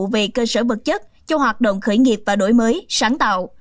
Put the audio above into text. về cơ sở vật chất cho hoạt động khởi nghiệp và đổi mới sáng tạo